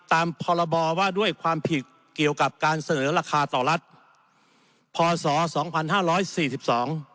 ตามพรบว่าด้วยความผิดเกี่ยวกับการเสนอราคาต่อรัฐพศ๒๕๔๒